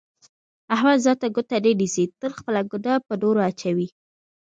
احمد ځان ته ګوته نه نیسي، تل خپله ګناه په نورو ور اچوي.